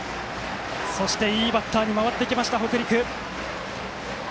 そして、いいバッターに回ってきました北陸。